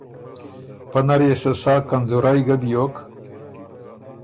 پئ نر يې سۀ سا کنځورئ ګۀ بیوک